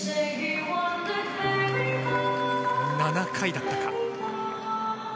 ７回だったか。